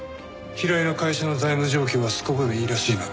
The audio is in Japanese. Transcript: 平井の会社の財務状況はすこぶるいいらしいな。